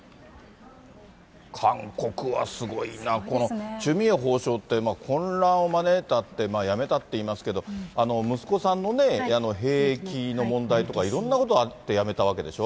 韓国はすごいな、このチュ・ミエ法相って、混乱を招いたって、辞めたっていいますけど、息子さんのね、兵役の問題とか、いろんなことあって辞めたわけでしょ。